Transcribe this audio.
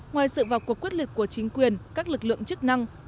ngoài sự vào cuộc quyết liệt của chính quyền các lực lượng chức năng